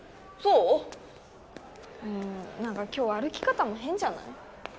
うん何か今日歩き方も変じゃない？